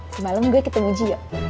semalam gue ketemu gio